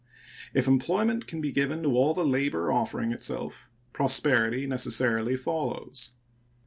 If employment can be given to all the labor offering itself, prosperity necessarily follows.